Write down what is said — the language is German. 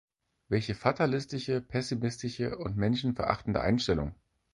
Welche fatalistische, pessimistische und menschenverachtende Einstellung!